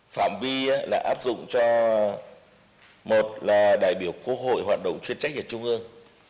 phạm bi đã áp dụng cho một là đại biểu quốc hội hoạt động chuyên trách ở trung ương